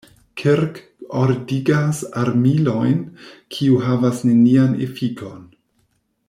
Kirk ordigas armilojn, kiu havas nenian efikon.